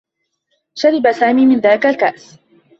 شرب سامي من ذاك الكأس.